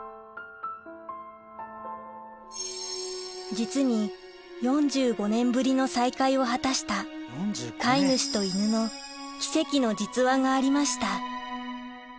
実に４５年ぶりの再会を果たした飼い主と犬の奇跡の実話がありました